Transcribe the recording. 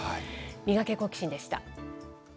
ミガケ、好奇心！でした。